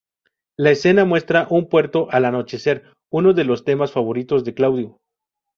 La escena muestra un puerto al anochecer, uno de los temas favoritos de Claudio.